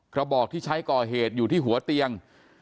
กระบอกที่ใช้ก่อเหตุอยู่ที่หัวเตียง